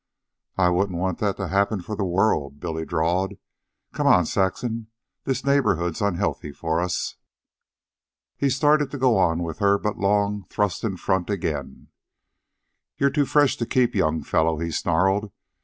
"I wouldn't want that to happen for the world," Billy drawled. "Come on, Saxon. This neighborhood's unhealthy for us." He started to go on with her, but Long thrust in front again. "You're too fresh to keep, young fellow," he snarled.